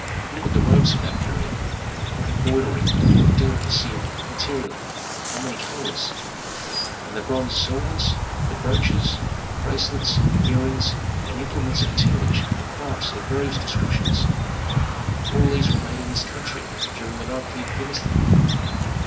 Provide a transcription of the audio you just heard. Look at the robes of that period: what embroidery, what delicacy of material, how many colors! And the bronze swords, the brooches, bracelets, earrings and implements of tillage and crafts of various descriptions. All these were made in this country during the nineteenth dynasty."